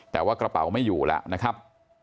แต่ว่ากระเป๋าไม่อยู่แล้วนะครับ